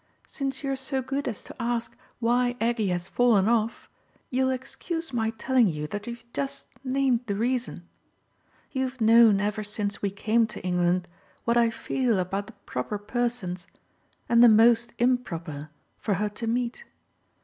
Since you're so good as to ask why Aggie has fallen off you'll excuse my telling you that you've just named the reason. You've known ever since we came to England what I feel about the proper persons and the most improper for her to meet.